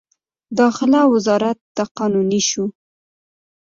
داخله وزارت د قانوني شو.